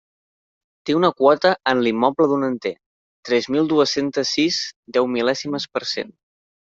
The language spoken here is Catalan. Té una quota en l'immoble d'un enter, tres mil dues-centes sis deumil·lèsimes per cent.